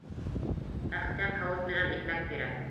Әхтәм һауыт менән икмәк бирә.